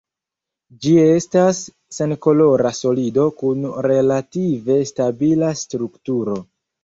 Ĝi estas senkolora solido kun relative stabila strukturo.